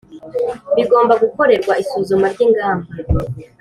bigomba gukorerwa isuzuma ry ingamba